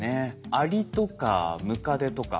アリとかムカデとかハチ。